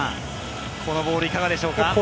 このボールいかがでしょうか？